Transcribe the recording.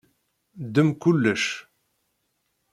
Ddem kullec.